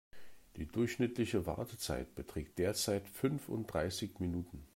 Die durchschnittliche Wartezeit beträgt derzeit fünfunddreißig Minuten.